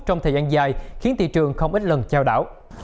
trong thời gian dài khiến thị trường không ít lần trao đảo